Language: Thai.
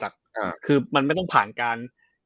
คือมันไม่ต้องผ่านการ